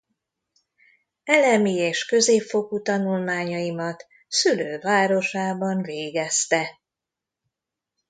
Elemi és középfokú tanulmányaimat szülővárosában végezte.